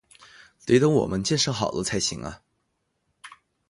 得等我们建设好了才行啊